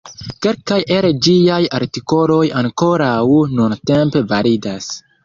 Kelkaj el ĝiaj artikoloj ankoraŭ nuntempe validas.